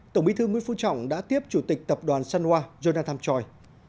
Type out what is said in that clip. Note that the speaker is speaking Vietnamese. tổng bí thư nguyễn phú trọng đã tiếp chủ tịch tập đoàn sanwa jonathan choi